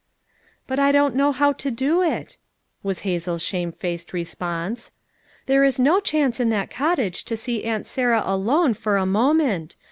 "But I don't know how to do it," was Hazel's shamefaced response. "There is no chance in that cottage to see Aunt Sarah alone for a mo ment.